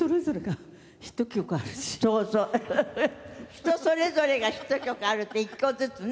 人それぞれがヒット曲あるって１個ずつね。